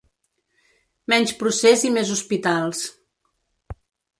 Menys procés i mes hospitals.